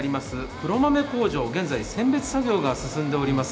黒豆工場、現在、選別作業が進んでおります。